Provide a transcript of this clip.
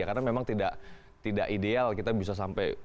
karena memang tidak ideal kita bisa sampai